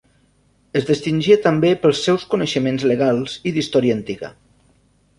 Es distingia també pels seus coneixements legals i d'història antiga.